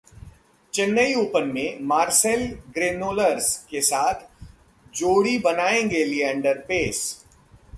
Chennai open में Marcel Granollers के साथ जोड़ी बनाएंगे लिएंडर पेस